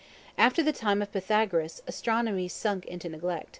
After the time of Pythagoras, Astronomy sunk into neglect.